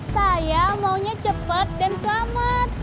saya maunya cepat dan selamat